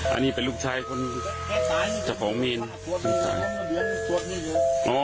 อันนี้เป็นลูกชายของเมน